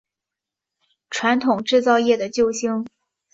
传统制造业的救星